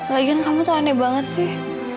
lagian kamu tuh aneh banget sih